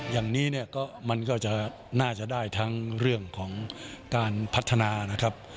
อย่างนี้เนี่ยก็มันก็จะน่าจะได้ทั้งเรื่องของการพัฒนานะครับ